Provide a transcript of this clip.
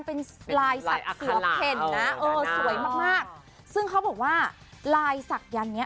เป็นลายศักดิ์เสือเพ่นนะเออสวยมากมากซึ่งเขาบอกว่าลายศักยันต์เนี้ย